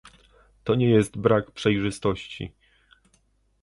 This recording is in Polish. to nie jest brak przejrzystości